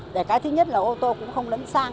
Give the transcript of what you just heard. để cái thứ nhất là ô tô cũng không lấn sang